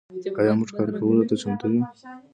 آیا موږ کار کولو ته چمتو یو؟